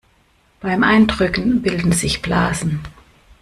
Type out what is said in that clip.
Beim Eindrücken bilden sich Blasen.